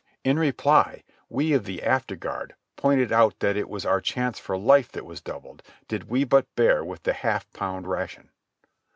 In reply, we of the afterguard pointed out that it was our chance for life that was doubled did we but bear with the half pound ration.